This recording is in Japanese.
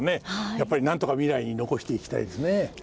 やっぱりなんとか未来に残していきたいですね。